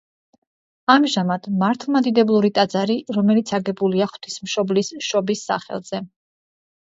ამჟამად მართლმადიდებლური ტაძარი, რომელიც აგებულია ღვთისმშობლის შობის სახელზე.